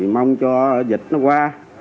mong cho dịch nó qua